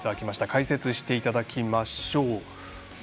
解説していただきましょう。